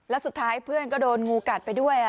แล้วสุดท้ายเพื่อนก็โดนงูกัดไปด้วย